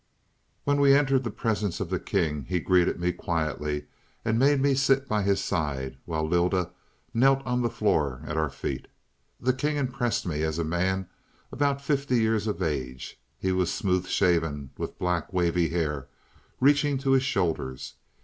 "When we entered the presence of the king, he greeted me quietly, and made me sit by his side, while Lylda knelt on the floor at our feet. The king impressed me as a man about fifty years of age. He was smooth shaven, with black, wavy hair, reaching his shoulders.